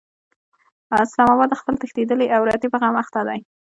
اسلام اباد د خپلې تښتېدلې عورتې په غم اخته دی.